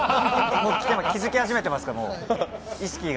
もう気付き始めていますから、意識が。